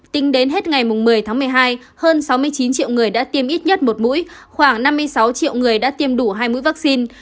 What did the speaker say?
tính đến hết ngày một mươi tháng một mươi hai hơn sáu mươi chín triệu người đã tiêm ít nhất một mũi khoảng năm mươi sáu triệu người đã tiêm đủ hai mũi vaccine